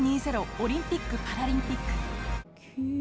オリンピック・パラリンピック。